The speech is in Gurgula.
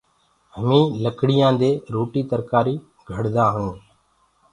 همينٚ لڪڙيآندي روٽي ترڪآري گھڙدآ هيونٚ۔